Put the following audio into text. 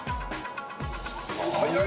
早い！